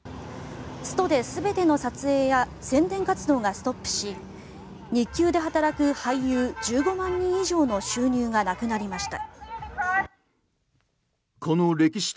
ストで全ての撮影や宣伝活動がストップし日給で働く俳優１５万人以上の収入がなくなりました。